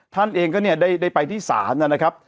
ท่านเองก็เนี่ยได้ไปที่ศาลนะครับ